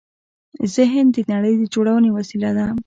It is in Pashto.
ذهن د نړۍ د جوړونې وسیله ده.